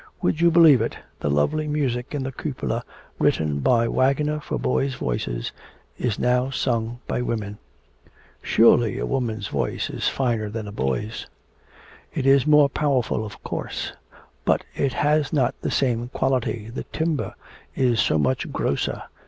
Would you believe it, the lovely music in the cupola, written by Wagner for boys' voices, is now sung by women.' 'Surely a woman's voice is finer than a boy's.' 'It is more powerful, of course; but it has not the same quality the timbre is so much grosser.